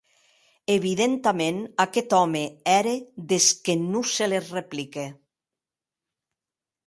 Evidentaments aqueth òme ère des que non se les replique.